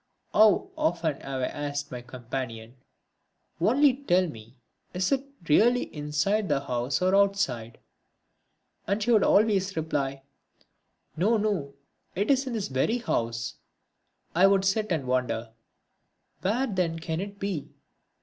How often have I asked my companion, "Only tell me, is it really inside the house or outside?" And she would always reply, "No, no, it's in this very house." I would sit and wonder: "Where then can it be?